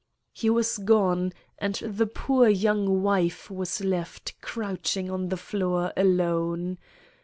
He was gone, and the poor young wife was left crouching on the floor alone.